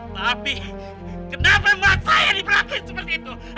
tapi kenapa emak saya diprakir seperti itu